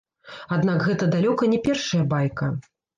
Аднак гэта далёка не першая байка.